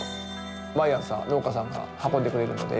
毎朝農家さんが運んでくれるので。